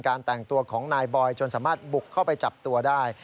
แต่งตัวของนายบอยจนสามารถบุกเข้าไปจับตัวได้